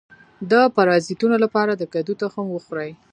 د پرازیتونو لپاره د کدو تخم وخورئ